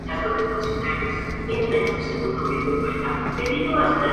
Natalia Carvajal Sánchez es la actual Miss Costa Rica.